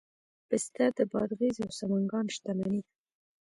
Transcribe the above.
پسته د بادغیس او سمنګان شتمني ده.